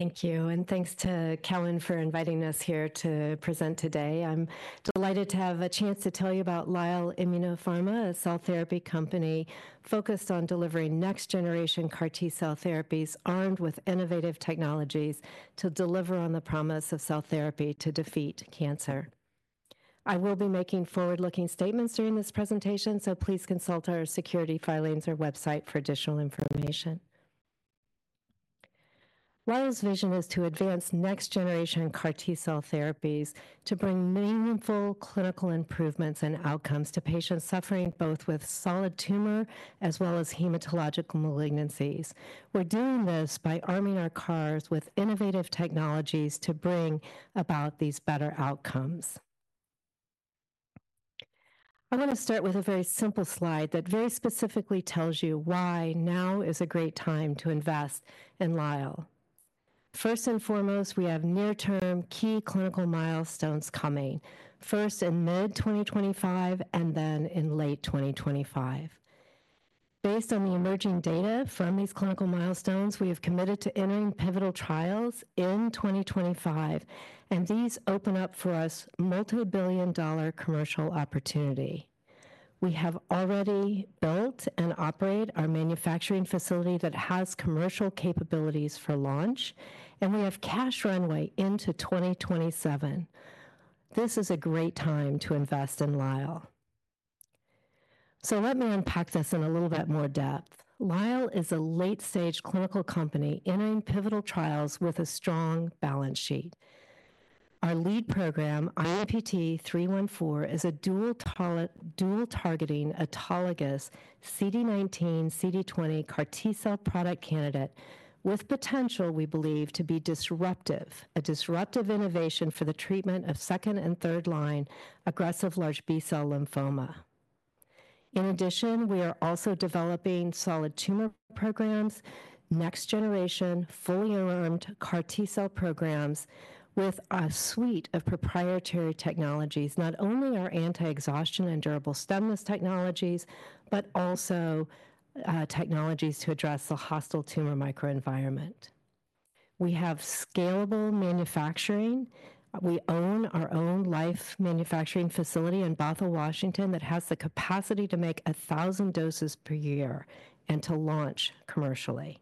Thank you, and thanks to Kevin for inviting us here to present today. I'm delighted to have a chance to tell you about Lyell Immunopharma, a cell therapy company focused on delivering next-generation CAR T-cell therapies armed with innovative technologies to deliver on the promise of cell therapy to defeat cancer. I will be making forward-looking statements during this presentation, so please consult our security filings or website for additional information. Lyell's vision is to advance next-generation CAR T-cell therapies to bring meaningful clinical improvements and outcomes to patients suffering both with solid tumor as well as hematological malignancies. We're doing this by arming our CARs with innovative technologies to bring about these better outcomes. I want to start with a very simple slide that very specifically tells you why now is a great time to invest in Lyell. First and foremost, we have near-term key clinical milestones coming, first in mid-2025 and then in late 2025. Based on the emerging data from these clinical milestones, we have committed to entering pivotal trials in 2025, and these open up for us multi-billion dollar commercial opportunity. We have already built and operate our manufacturing facility that has commercial capabilities for launch, and we have cash runway into 2027. This is a great time to invest in Lyell. Let me unpack this in a little bit more depth. Lyell is a late-stage clinical company entering pivotal trials with a strong balance sheet. Our lead program, IMPT-314, is a dual-targeting autologous CD19/CD20 CAR T-cell product candidate with potential, we believe, to be disruptive, a disruptive innovation for the treatment of second and third-line aggressive large B-cell lymphoma. In addition, we are also developing solid tumor programs, next-generation fully armed CAR T-cell programs with a suite of proprietary technologies, not only our anti-exhaustion and durable stemless technologies, but also technologies to address the hostile tumor microenvironment. We have scalable manufacturing. We own our own LyFE manufacturing facility in Bothell, Washington, that has the capacity to make 1,000 doses per year and to launch commercially.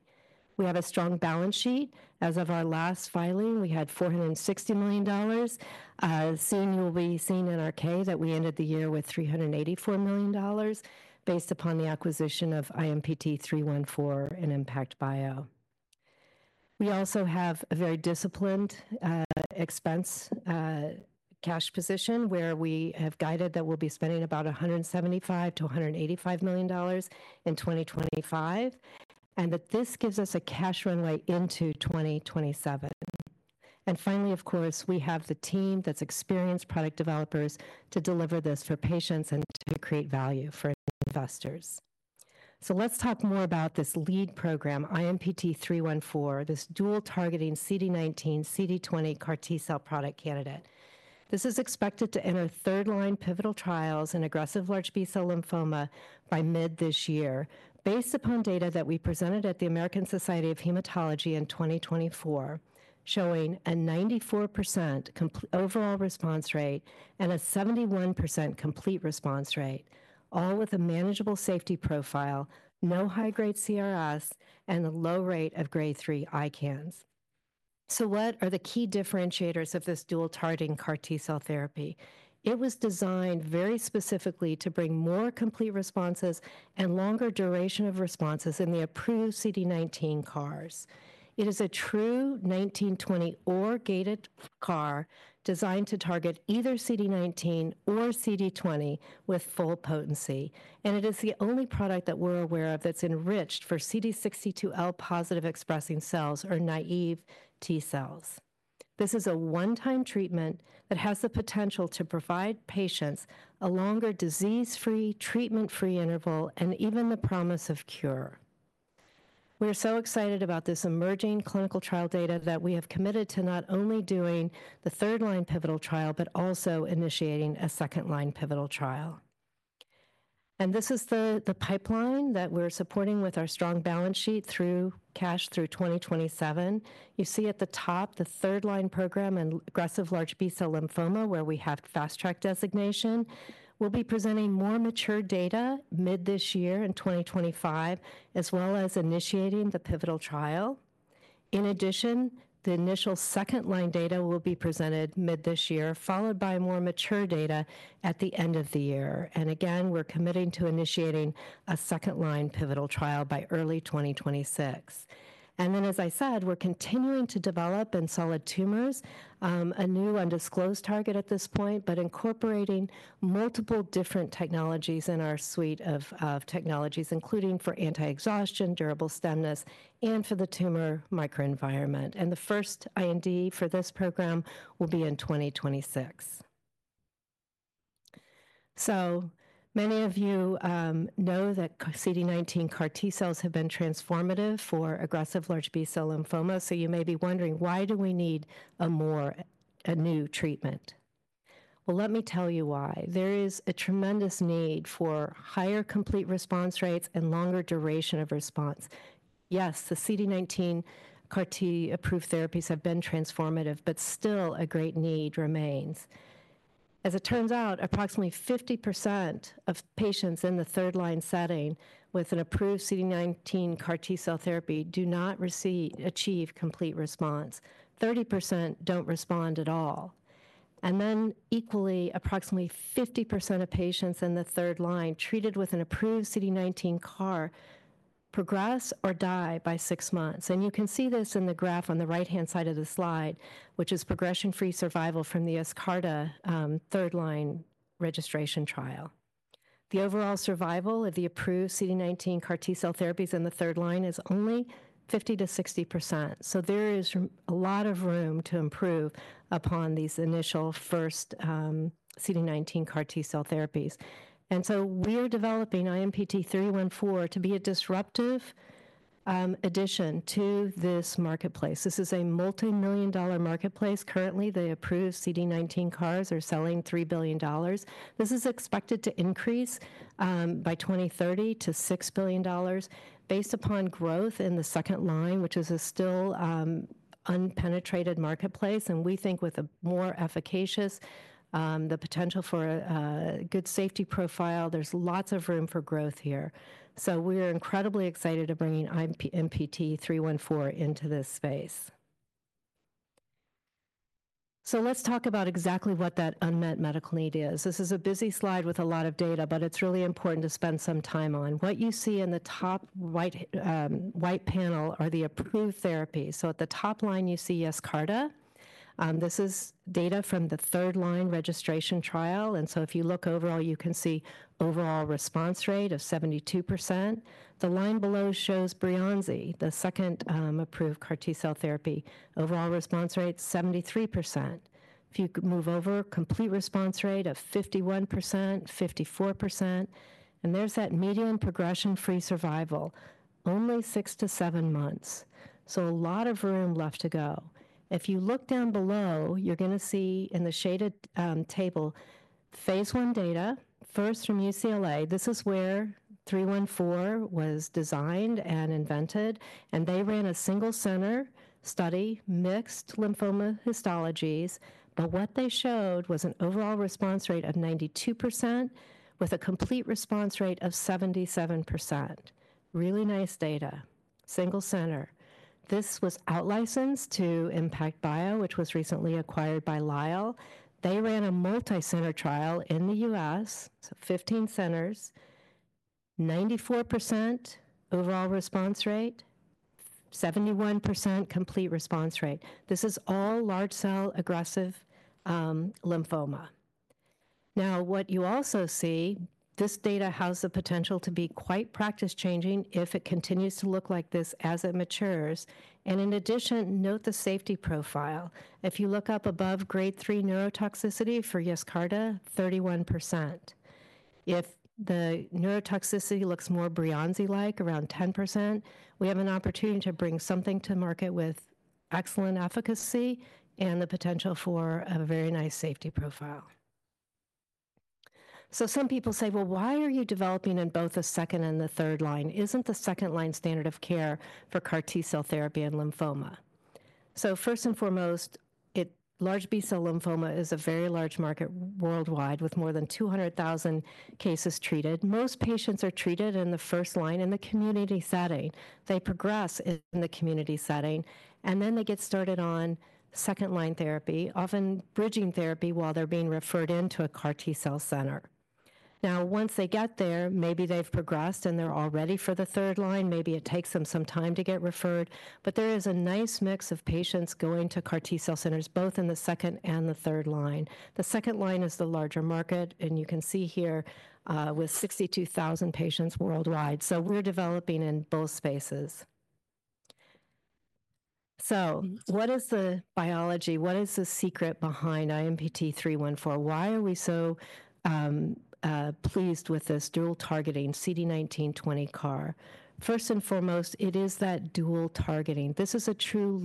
We have a strong balance sheet. As of our last filing, we had $460 million. Soon you'll be seeing in our K that we ended the year with $384 million, based upon the acquisition of IMPT-314 and ImmPACT Bio. We also have a very disciplined expense cash position, where we have guided that we'll be spending about $175 million-$185 million in 2025, and that this gives us a cash runway into 2027. Finally, of course, we have the team that's experienced product developers to deliver this for patients and to create value for investors. Let's talk more about this lead program, IMPT-314, this dual-targeting CD19/CD20 CAR T-cell product candidate. This is expected to enter third-line pivotal trials in aggressive large B-cell lymphoma by mid this year, based upon data that we presented at the American Society of Hematology in 2024, showing a 94% overall response rate and a 71% complete response rate, all with a manageable safety profile, no high-grade CRS, and a low rate of Grade 3 ICANS. What are the key differentiators of this dual-targeting CAR T-cell therapy? It was designed very specifically to bring more complete responses and longer duration of responses in the approved CD19 CARs. It is a true 19/20 or gated CAR designed to target either CD19 or CD20 with full potency, and it is the only product that we're aware of that's enriched for CD62L positive expressing cells, or naive T-cells. This is a one-time treatment that has the potential to provide patients a longer disease-free, treatment-free interval, and even the promise of cure. We are so excited about this emerging clinical trial data that we have committed to not only doing the third-line pivotal trial, but also initiating a second-line pivotal trial. This is the pipeline that we're supporting with our strong balance sheet through cash through 2027. You see at the top the third-line program in aggressive large B-cell lymphoma, where we have Fast Track designation. We'll be presenting more mature data mid this year in 2025, as well as initiating the pivotal trial. In addition, the initial second-line data will be presented mid this year, followed by more mature data at the end of the year. Again, we're committing to initiating a second-line pivotal trial by early 2026. As I said, we're continuing to develop in solid tumors a new undisclosed target at this point, but incorporating multiple different technologies in our suite of technologies, including for anti-exhaustion, durable stemness, and for the tumor microenvironment. The first IND for this program will be in 2026. Many of you know that CD19 CAR T-cells have been transformative for aggressive large B-cell lymphoma, so you may be wondering, why do we need a new treatment? Let me tell you why. There is a tremendous need for higher complete response rates and longer duration of response. Yes, the CD19 CAR T-approved therapies have been transformative, but still a great need remains. As it turns out, approximately 50% of patients in the third-line setting with an approved CD19 CAR T-cell therapy do not achieve complete response. 30% do not respond at all. Equally, approximately 50% of patients in the third line treated with an approved CD19 CAR progress or die by six months. You can see this in the graph on the right-hand side of the slide, which is progression-free survival from the Yescarta third-line registration trial. The overall survival of the approved CD19 CAR T-cell therapies in the third line is only 50%-60%. There is a lot of room to improve upon these initial first CD19 CAR T-cell therapies. We are developing IMPT-314 to be a disruptive addition to this marketplace. This is a multi-million dollar marketplace. Currently, the approved CD19 CARs are selling $3 billion. This is expected to increase by 2030 to $6 billion, based upon growth in the second line, which is a still unpenetrated marketplace. We think with a more efficacious potential for a good safety profile, there's lots of room for growth here. We are incredibly excited to bring IMPT-314 into this space. Let's talk about exactly what that unmet medical need is. This is a busy slide with a lot of data, but it's really important to spend some time on. What you see in the top right panel are the approved therapies. At the top line, you see Yescarta. This is data from the third-line registration trial. If you look overall, you can see overall response rate of 72%. The line below shows Breyanzi, the second approved CAR T-cell therapy. Overall response rate 73%. If you move over, complete response rate of 51%, 54%. There's that median progression-free survival, only 6 months-7 months. A lot of room left to go. If you look down below, you're going to see in the shaded table, phase I data, first from UCLA. This is where 314 was designed and invented, and they ran a single center study, mixed lymphoma histologies. What they showed was an overall response rate of 92%, with a complete response rate of 77%. Really nice data. Single center. This was outlicensed to ImmPACT Bio, which was recently acquired by Lyell. They ran a multi-center trial in the U.S., 15 centers, 94% overall response rate, 71% complete response rate. This is all large cell aggressive lymphoma. What you also see, this data has the potential to be quite practice-changing if it continues to look like this as it matures. In addition, note the safety profile. If you look up above Grade 3 neurotoxicity for Yescarta, 31%. If the neurotoxicity looks more Breyanzi-like, around 10%, we have an opportunity to bring something to market with excellent efficacy and the potential for a very nice safety profile. Some people say, well, why are you developing in both the second and the third line? Isn't the second line standard of care for CAR T-cell therapy in lymphoma? First and foremost, large B-cell lymphoma is a very large market worldwide with more than 200,000 cases treated. Most patients are treated in the first line in the community setting. They progress in the community setting, and then they get started on second-line therapy, often bridging therapy while they're being referred into a CAR T-cell center. Now, once they get there, maybe they've progressed and they're all ready for the third line. Maybe it takes them some time to get referred, but there is a nice mix of patients going to CAR T-cell centers, both in the second and the third line. The second line is the larger market, and you can see here with 62,000 patients worldwide. We are developing in both spaces. What is the biology? What is the secret behind IMPT-314? Why are we so pleased with this dual-targeting CD19/CD20 CAR? First and foremost, it is that dual-targeting. This is a true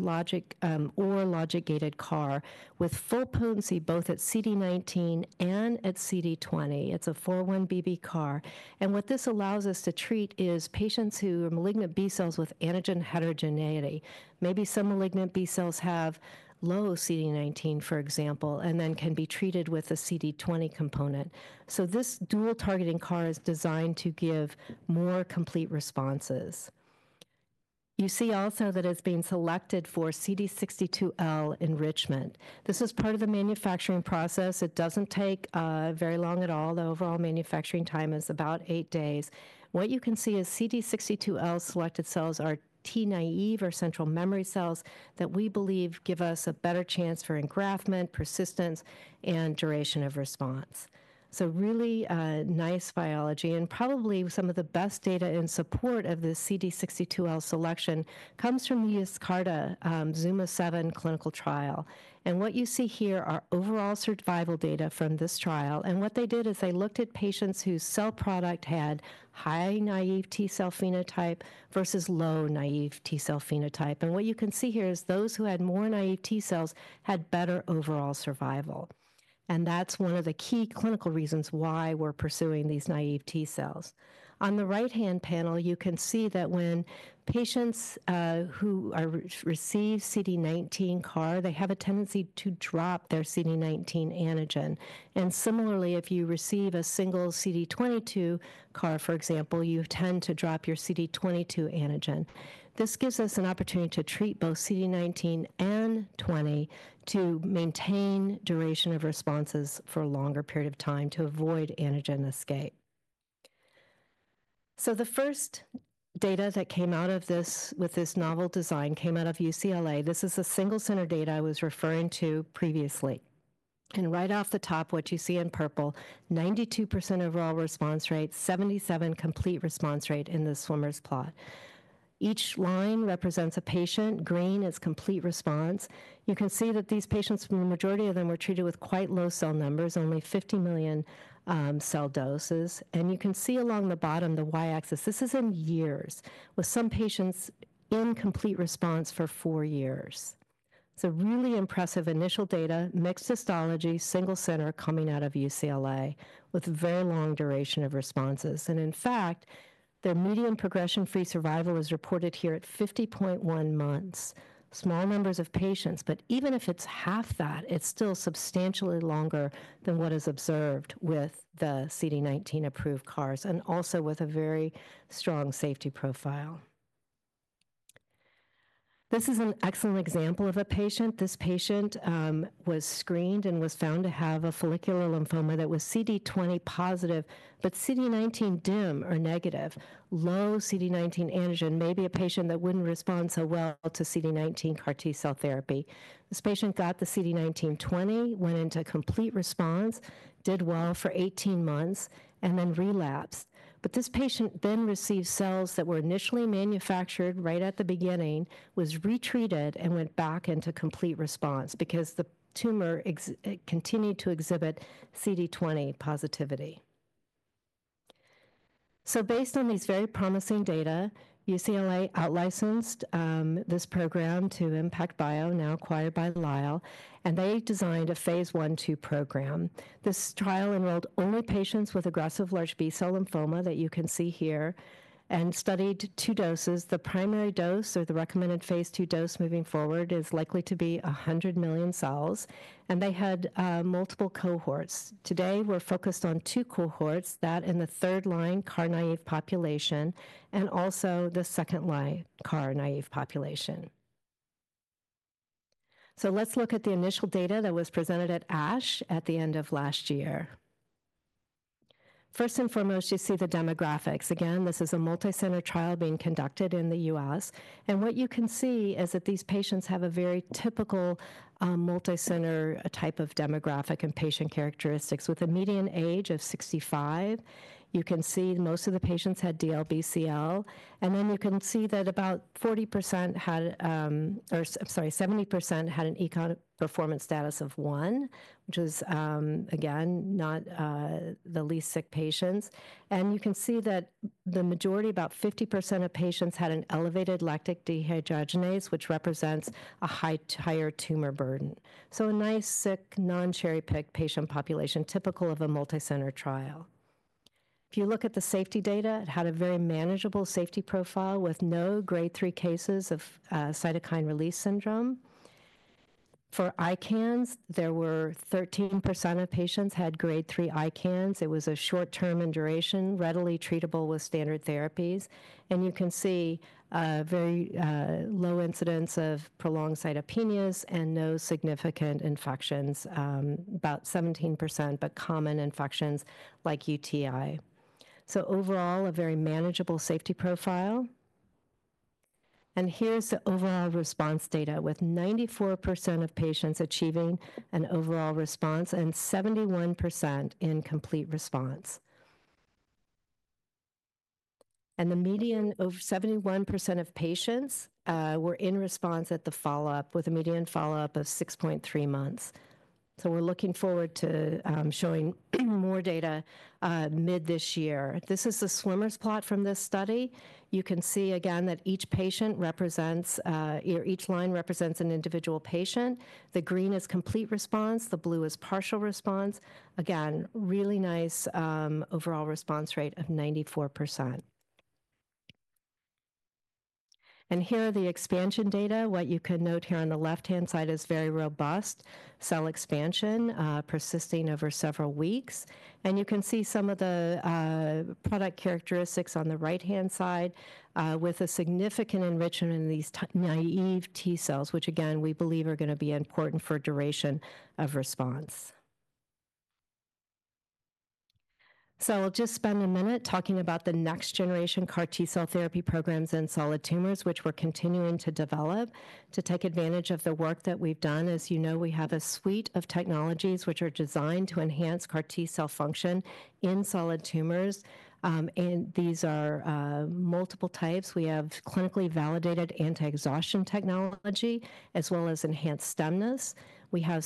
or logic gated CAR with full potency both at CD19 and at CD20. It is a 4-1BB CAR. What this allows us to treat is patients who are malignant B-cells with antigen heterogeneity. Maybe some malignant B-cells have low CD19, for example, and then can be treated with a CD20 component. This dual-targeting CAR is designed to give more complete responses. You see also that it's being selected for CD62L enrichment. This is part of the manufacturing process. It doesn't take very long at all. The overall manufacturing time is about eight days. What you can see is CD62L selected cells are T-naive or central memory cells that we believe give us a better chance for engraftment, persistence, and duration of response. Really nice biology. Probably some of the best data in support of the CD62L selection comes from the Yescarta ZUMA-7 clinical trial. What you see here are overall survival data from this trial. What they did is they looked at patients whose cell product had high naive T-cell phenotype versus low naive T-cell phenotype. What you can see here is those who had more naive T-cells had better overall survival. That's one of the key clinical reasons why we're pursuing these naive T-cells. On the right-hand panel, you can see that when patients who receive CD19 CAR, they have a tendency to drop their CD19 antigen. Similarly, if you receive a single CD22 CAR, for example, you tend to drop your CD22 antigen. This gives us an opportunity to treat both CD19 and CD20 to maintain duration of responses for a longer period of time to avoid antigen escape. The first data that came out of this with this novel design came out of UCLA. This is a single center data I was referring to previously. Right off the top, what you see in purple, 92% overall response rate, 77% complete response rate in this swimmer's plot. Each line represents a patient. Green is complete response. You can see that these patients, the majority of them, were treated with quite low cell numbers, only 50 million cell doses. You can see along the bottom, the y-axis. This is in years with some patients in complete response for four years. It's a really impressive initial data, mixed histology, single center coming out of UCLA with very long duration of responses. In fact, their median progression-free survival is reported here at 50.1 months. Small numbers of patients, but even if it's half that, it's still substantially longer than what is observed with the CD19 approved CARs and also with a very strong safety profile. This is an excellent example of a patient. This patient was screened and was found to have a follicular lymphoma that was CD20 positive, but CD19 dim or negative, low CD19 antigen, maybe a patient that wouldn't respond so well to CD19 CAR T-cell therapy. This patient got the CD19/CD20, went into complete response, did well for 18 months, and then relapsed. This patient then received cells that were initially manufactured right at the beginning, was retreated, and went back into complete response because the tumor continued to exhibit CD20 positivity. Based on these very promising data, UCLA outlicensed this program to ImmPACT Bio, now acquired by Lyell, and they designed a phase I/II program. This trial enrolled only patients with aggressive large B-cell lymphoma that you can see here and studied two doses. The primary dose or the recommended phase II dose moving forward is likely to be 100 million cells. They had multiple cohorts. Today, we're focused on two cohorts, that in the third line CAR naive population and also the second line CAR naive population. Let's look at the initial data that was presented at ASH at the end of last year. First and foremost, you see the demographics. Again, this is a multi-center trial being conducted in the U.S. What you can see is that these patients have a very typical multi-center type of demographic and patient characteristics. With a median age of 65, you can see most of the patients had DLBCL. You can see that about 40% had, or I'm sorry, 70% had an ECOG performance status of one, which is, again, not the least sick patients. You can see that the majority, about 50% of patients had an elevated lactate dehydrogenase, which represents a higher tumor burden. A nice, sick, non-cherry-picked patient population typical of a multi-center trial. If you look at the safety data, it had a very manageable safety profile with no Grade 3 cases of cytokine release syndrome. For ICANS, 13% of patients had Grade 3 ICANS. It was a short-term induration, readily treatable with standard therapies. You can see very low incidence of prolonged cytopenias and no significant infections, about 17%, but common infections like UTI. Overall, a very manageable safety profile. Here's the overall response data with 94% of patients achieving an overall response and 71% in complete response. The median over 71% of patients were in response at the follow-up with a median follow-up of 6.3 months. We're looking forward to showing more data mid this year. This is the swimmer's plot from this study. You can see again that each patient represents, each line represents an individual patient. The green is complete response. The blue is partial response. Again, really nice overall response rate of 94%. Here are the expansion data. What you can note here on the left-hand side is very robust cell expansion persisting over several weeks. You can see some of the product characteristics on the right-hand side with a significant enrichment in these naive T-cells, which again, we believe are going to be important for duration of response. I'll just spend a minute talking about the next generation CAR T-cell therapy programs in solid tumors, which we're continuing to develop to take advantage of the work that we've done. As you know, we have a suite of technologies which are designed to enhance CAR T-cell function in solid tumors. These are multiple types. We have clinically validated anti-exhaustion technology as well as enhanced stemness. We have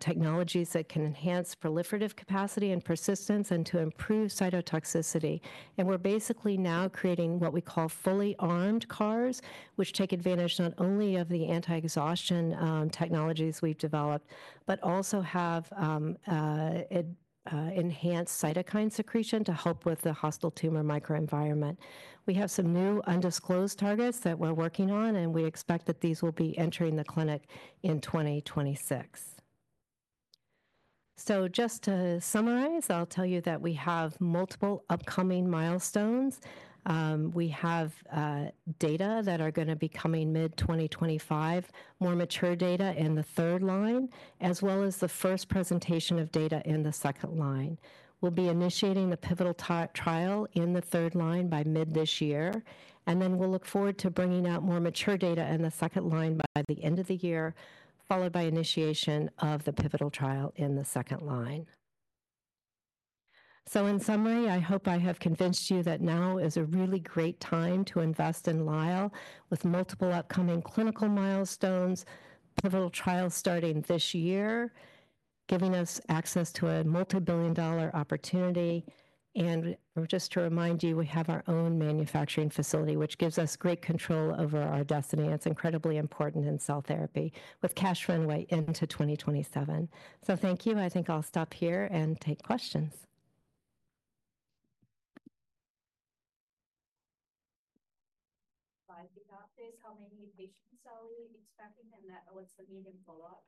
technologies that can enhance proliferative capacity and persistence and to improve cytotoxicity. We're basically now creating what we call fully armed CARs, which take advantage not only of the anti-exhaustion technologies we've developed, but also have enhanced cytokine secretion to help with the hostile tumor microenvironment. We have some new undisclosed targets that we're working on, and we expect that these will be entering the clinic in 2026. Just to summarize, I'll tell you that we have multiple upcoming milestones. We have data that are going to be coming mid 2025, more mature data in the third line, as well as the first presentation of data in the second line. We'll be initiating the pivotal trial in the third line by mid this year. We'll look forward to bringing out more mature data in the second line by the end of the year, followed by initiation of the pivotal trial in the second line. In summary, I hope I have convinced you that now is a really great time to invest in Lyell with multiple upcoming clinical milestones, pivotal trials starting this year, giving us access to a multi-billion dollar opportunity. Just to remind you, we have our own manufacturing facility, which gives us great control over our destiny. It's incredibly important in cell therapy with cash runway into 2027. Thank you. I think I'll stop here and take questions. By the doctors, how many patients are we expecting in that? What's the median follow-up?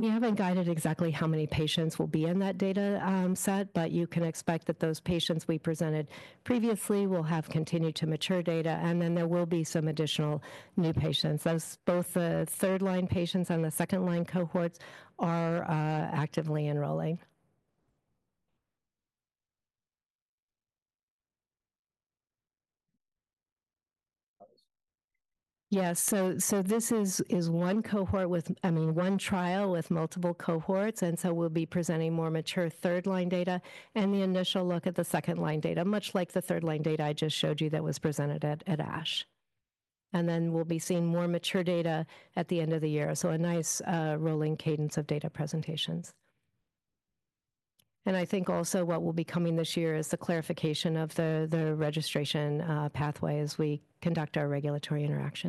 We haven't guided exactly how many patients will be in that data set, but you can expect that those patients we presented previously will have continued to mature data. There will be some additional new patients. Both the third line patients and the second line cohorts are actively enrolling. Yes. This is one cohort with, I mean, one trial with multiple cohorts. We'll be presenting more mature third line data and the initial look at the second line data, much like the third line data I just showed you that was presented at ASH. We'll be seeing more mature data at the end of the year. A nice rolling cadence of data presentations. I think also what will be coming this year is the clarification of the registration pathway as we conduct our regulatory interactions.